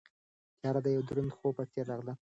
تیاره د یوه دروند خوب په څېر راغله.